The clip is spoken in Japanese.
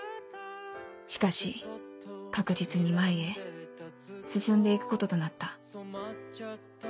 しかし確実に前へ進んでいくこととなった